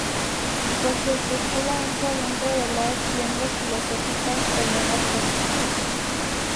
Por su estructura entra dentro de las lenguas filosóficas o lenguas lógicas.